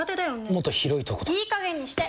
もっと広いところとかいい加減にして！